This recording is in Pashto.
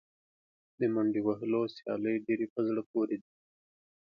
د منډې وهلو سیالۍ ډېرې په زړه پورې دي.